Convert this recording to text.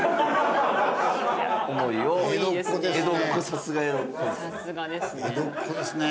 さすがですね。